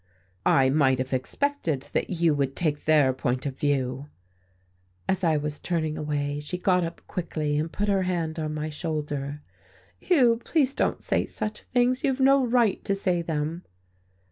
"I might have expected that you would take their point of view." As I was turning away she got up quickly and put her hand on my shoulder. "Hugh, please don't say such things you've no right to say them."